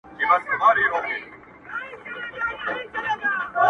• هر وړوکی يې دريادی -